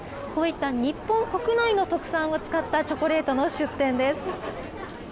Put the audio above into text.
こういった日本国内の特産を使ったチョコレートの出店です。